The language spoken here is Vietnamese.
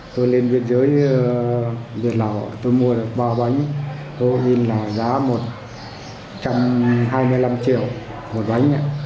tôi lên biển dưới biển lào tôi mua được ba bánh heroin là giá một trăm hai mươi năm triệu một bánh